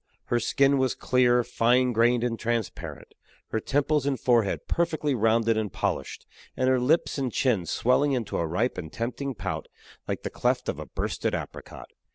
Her skin was clear, fine grained and transparent; her temples and forehead perfectly rounded and polished, and her lips and chin swelling into a ripe and tempting pout, like the cleft of a bursted apricot.